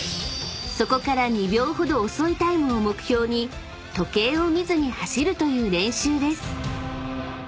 ［そこから２秒ほど遅いタイムを目標に時計を見ずに走るという練習です］